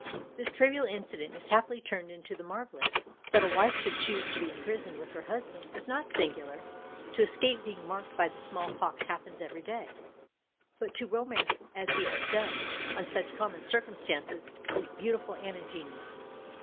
This trivial incident is happily turned into the marvellous: that a wife should choose to be imprisoned with her husband is not singular; to escape being marked by the small pox happens every day; but to romance, as he has done, on such common circumstances, is beautiful and ingenious.